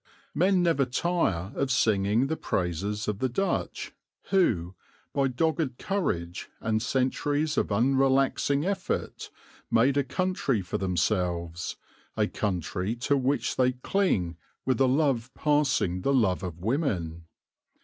Men never tire of singing the praises of the Dutch who, by dogged courage and centuries of unrelaxing effort, made a country for themselves, a country to which they cling with a love passing the love of women.